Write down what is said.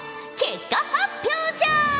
結果発表じゃ！